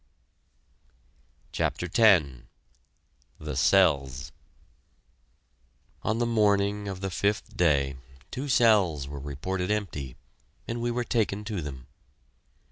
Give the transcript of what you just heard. CHAPTER X THE CELLS! On the morning of the fifth day two cells were reported empty, and we were taken to them.